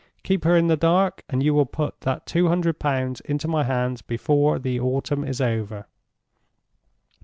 Keep her in the dark, and you will put that two hundred pounds into my hands before the autumn is over."